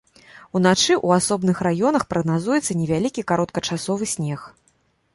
Уначы ў асобных раёнах прагназуецца невялікі кароткачасовы снег.